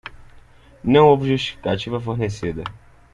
Não houve justificativa fornecida.